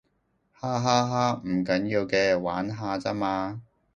哈哈哈，唔緊要嘅，玩下咋嘛